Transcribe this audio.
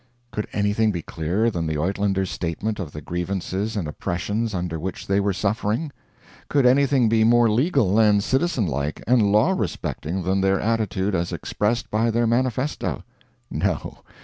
Could anything be clearer than the Uitlander's statement of the grievances and oppressions under which they were suffering? Could anything be more legal and citizen like and law respecting than their attitude as expressed by their Manifesto? No.